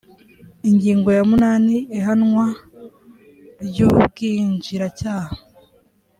ingingo ya munani ihanwa ry’ubwinjiracyaha